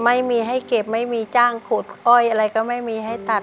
ไม่มีให้เก็บไม่มีจ้างขุดอ้อยอะไรก็ไม่มีให้ตัด